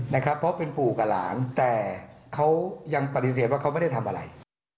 เพราะเป็นปู่กับหลานแต่เขายังปฏิเสธว่าเขาไม่ได้ทำอะไร